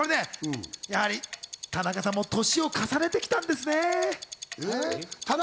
やはり田中さんも年を重ねてきたんですね。